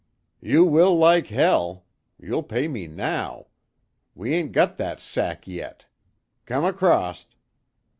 "You will, like hell! You'll pay me now. We ain't got that sack yet. Come acrost."